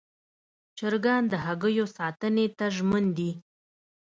چرګان د هګیو ساتنې ته ژمن دي.